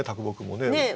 ねえ？